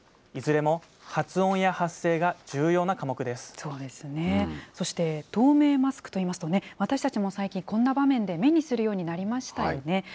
いずれも発音や発声が重要な科目そして、透明マスクといいますとね、私たちも最近、こんな場面で目にするようになりましたよね。